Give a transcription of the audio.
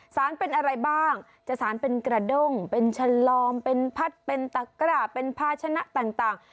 สารเป็นอะไรบ้างจะสารเป็นกระด้งเป็นฉลอมเป็นพัดเป็นตะกร้าเป็นภาชนะต่าง